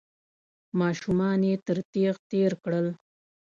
ماشومان يې تر تېغ تېر کړل.